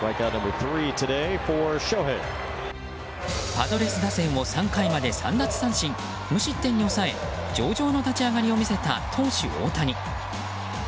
パドレス打線を３回まで３奪三振無失点に抑え上々の立ち上がりを見せた投手・大谷。